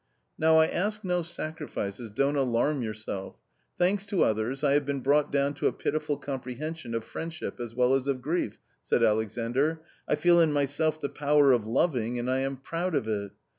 " Now I ask no sacrifices — don't alarm yourself. Thanks to others, I have been brought down to a pitiful comprehension of friendship as well as of grief," said Alex andr. " I feel in myself the power of loving and I am proud of it.